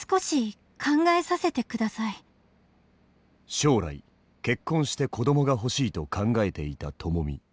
将来結婚して子供が欲しいと考えていたともみ。